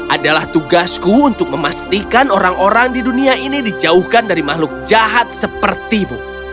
adalah tugasku untuk memastikan orang orang di dunia ini dijauhkan dari aku